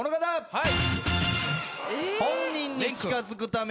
はい。